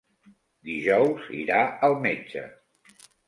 Dijous irà al metge.